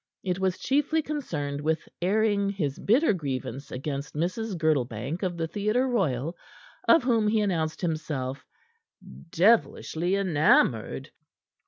It was chiefly concerned with airing his bitter grievance against Mrs. Girdlebank, of the Theatre Royal, of whom he announced himself "devilishly enamoured."